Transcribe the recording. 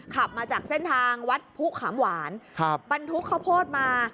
ขับมาจากเส้นทางวัดผู้ขามหวานครับบรรทุกข้าวโพดมา